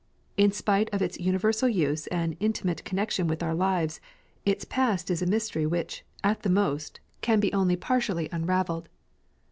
In spite of its universal use and intimate connection with our lives, its past is a mystery which at the most can be only partially unravelled.